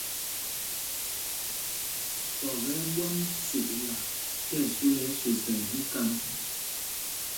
Pɔp ɛ́ ɛ́ ɓwam sukla tí ɛsu lɛ ɛsüesɛl míkand.